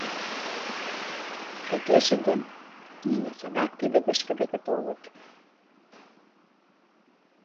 Тыгеже гын, нуно садак тиде вышка деке толыт.